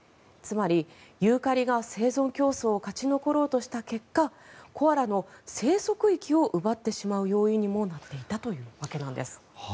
つまりユーカリが生存競争を勝ち残ろうとした結果コアラの生息域を奪ってしまう要因にもなっていたということなんです。